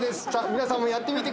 皆さんもやってみてください。